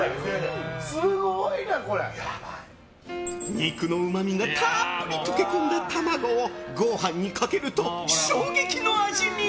肉のうまみがたっぷり溶け込んだ卵をご飯にかけると衝撃の味に！